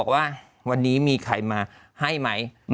ว่าวันนี้มีใครมาให้ไหม